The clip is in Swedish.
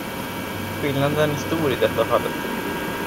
Skillnaden är stor i detta fallet.